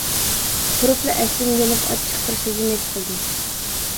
تۇرۇپلا ئەسلىمگە يېنىپ ئاچچىق بىر سېزىم ھېس قىلدىم.